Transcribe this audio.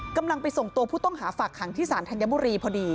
กำลังไปส่งตัวผู้ต้องหาฝากขังที่ศาลธัญบุรีพอดี